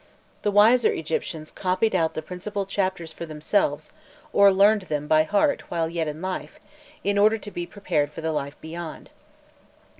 The wiser Egyptians copied out the principal chapters for themselves, or learned them by heart while yet in life, in order to be prepared for the life beyond.